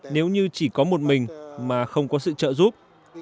nếu như chỉ có một mình mà không có sự trợ giúp